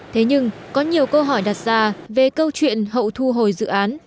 thế nhưng có nhiều câu hỏi đặt ra về câu chuyện hậu thu hồi dự án